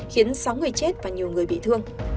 khiến sáu người chết và nhiều người bị thương